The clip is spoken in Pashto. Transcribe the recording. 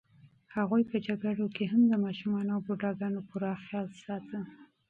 هغوی په جګړو کې هم د ماشومانو او بوډاګانو پوره خیال ساته.